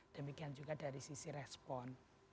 demikian juga dari sisi respon